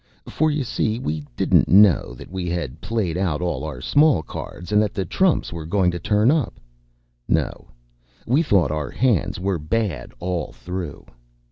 For you see we didn’t know that we had played out all our small cards, and that the trumps were going to turn up. No; we thought our “hands” were bad all through.